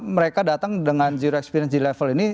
mereka datang dengan zero experience di level ini